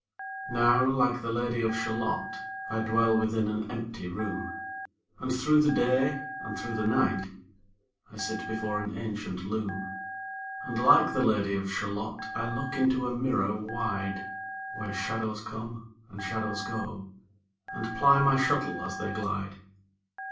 Now like the Lady of Shalott, I dwell within an empty room, And through the day and through the night I sit before an ancient loom. And like the Lady of Shalott I look into a mirror wide, Where shadows come, and shadows go, And ply my shuttle as they glide.